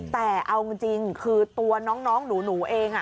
แต่เอาจริงคือตัวน้องหนูเอง